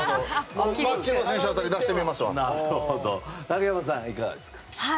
影山さん、いかがですか。